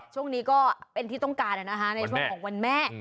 ช่วงนี้ก็เป็นที่ต้องการในช่วงของวันแม่